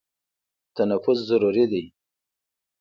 تنفس ضروري دی.